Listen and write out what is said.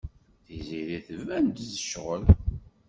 Tiziri tban-d tecɣel.